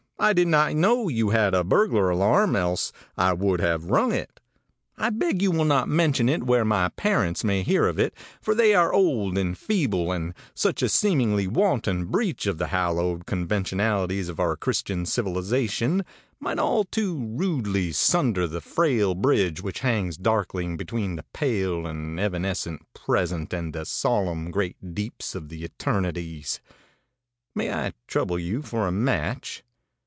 I did not know you had a burglar alarm, else I would have rung it. I beg you will not mention it where my parents may hear of it, for they are old and feeble, and such a seemingly wanton breach of the hallowed conventionalities of our Christian civilization might all too rudely sunder the frail bridge which hangs darkling between the pale and evanescent present and the solemn great deeps of the eternities. May I trouble you for a match?'